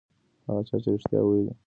هغه چا چې رښتیا ویلي، تل یې عزت شوی دی.